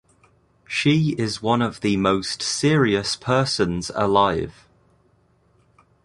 She is one of the most serious persons alive.